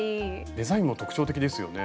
デザインも特徴的ですよね。